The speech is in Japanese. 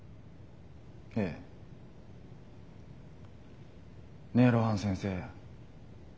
ええ。ねえ露伴先生。